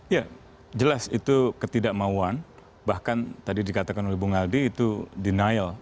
ya jelas itu ketidakmauan bahkan tadi dikatakan oleh bung aldi itu denial